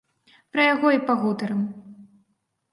Пра яго і пагутарым.